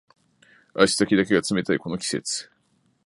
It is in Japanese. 足先だけが冷たいこの季節